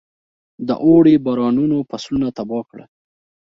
د اوړي بارانونو فصلونه تباه کړل.